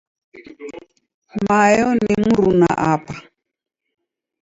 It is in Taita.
Mayo ni mruna apa.